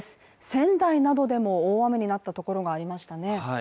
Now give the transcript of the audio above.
仙台などでも大雨になった所がありましたね。